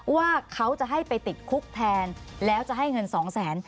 ว่าเขาจะให้ไปติดคุกแทนแล้วจะให้เงินสองแสน